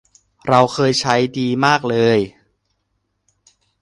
เราเคยใช้ดีมากเลย